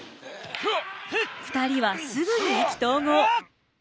２人はすぐに意気投合。